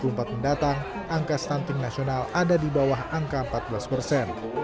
dua ribu empat mendatang angka stunting nasional ada di bawah angka empat belas persen